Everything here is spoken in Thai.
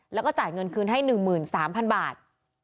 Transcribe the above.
แล้วก็จ่ายเงินคืนให้๑๓๐๐๐บาท